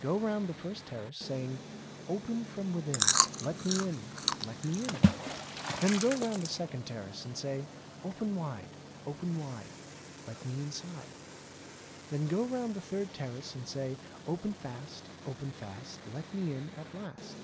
Go round the first terrace saying : *Open from within ; Let me in ! Let me in !* Then go round the second terrace and say : 'Open wide, open wide. Let me inside.' Then go round the third terrace and say : 'Open fast, open fast. Let me in at last.'